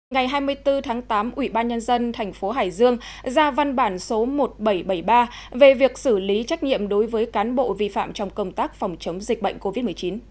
ngày hai mươi bốn tháng tám ủy ban nhân dân thành phố hải dương ra văn bản số một nghìn bảy trăm bảy mươi ba về việc xử lý trách nhiệm đối với cán bộ vi phạm trong công tác phòng chống dịch bệnh covid một mươi chín